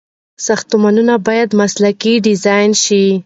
ساختمانونه باید مسلکي ډيزاين شي.